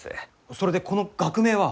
それでこの学名は？